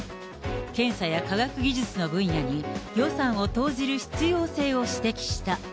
検査や科学技術の分野に予算を投じる必要性を指摘した。